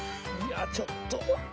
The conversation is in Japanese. いやちょっと。